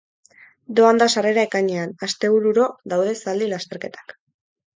Doan da sarrera ekainean, astebururo daude zaldi lasterketak.